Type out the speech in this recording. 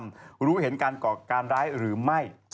อะไรวินักสกรรม